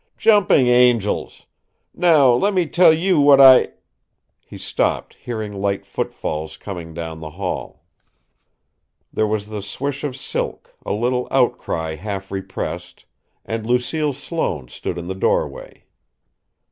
Jumping angels! Now, let me tell you what I " He stopped, hearing light footfalls coming down the hall. There was the swish of silk, a little outcry half repressed, and Lucille Sloane stood in the doorway.